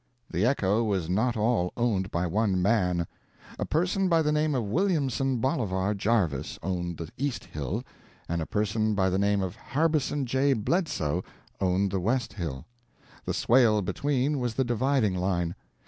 The echo was not all owned by one man; a person by the name of Williamson Bolivar Jarvis owned the east hill, and a person by the name of Harbison J. Bledso owned the west hill; the swale between was the dividing line.